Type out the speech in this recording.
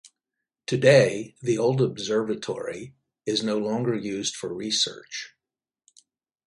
Today, the old observatory is no longer used for research.